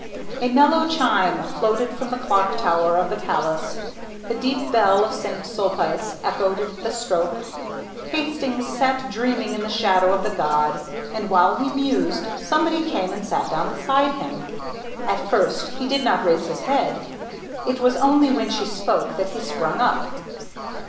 A mellow chime floated from the clock tower of the palace, the deep bell of St. Sulpice echoed the stroke. Hastings sat dreaming in the shadow of the god, and while he mused somebody came and sat down beside him. At first he did not raise his head. It was only when she spoke that he sprang up.